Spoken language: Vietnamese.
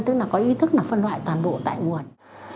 tức là có ý thức là phân loại toàn bộ tại nguồn